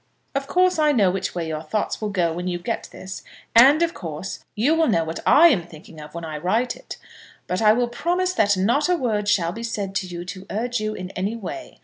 Of course, I know which way your thoughts will go when you get this, and, of course, you will know what I am thinking of when I write it; but I will promise that not a word shall be said to you to urge you in any way.